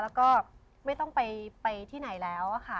แล้วก็ไม่ต้องไปที่ไหนแล้วค่ะ